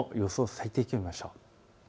最低気温を見ましょう。